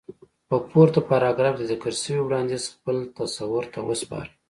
په پورته پاراګراف کې ذکر شوی وړانديز خپل تصور ته وسپارئ.